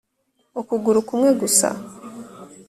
ukuguru kumwe gusa